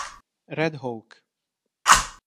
Red Hawk